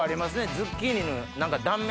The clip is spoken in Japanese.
ズッキーニの断面